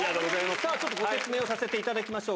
さあ、ちょっとご説明をさせていただきましょう。